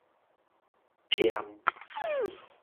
忝